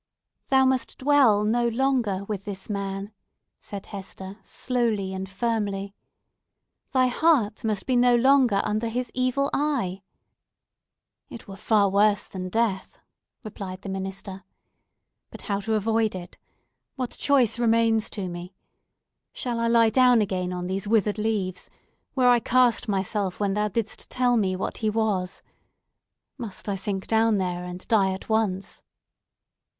"Thou must dwell no longer with this man," said Hester, slowly and firmly. "Thy heart must be no longer under his evil eye!" "It were far worse than death!" replied the minister. "But how to avoid it? What choice remains to me? Shall I lie down again on these withered leaves, where I cast myself when thou didst tell me what he was? Must I sink down there, and die at once?"